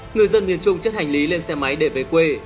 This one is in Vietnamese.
người dân miền trung trước hành lý lên xe máy để về quê